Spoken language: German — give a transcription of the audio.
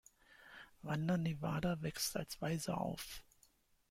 Wanda Nevada wächst als Waise auf.